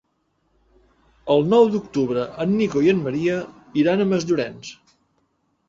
El nou d'octubre en Nico i en Maria iran a Masllorenç.